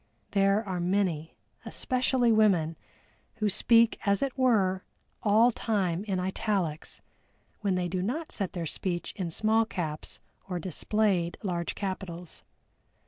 There are many, especially women, who speak, as it were, all time in italics, when they do not set their speech in small caps or displayed large capitals.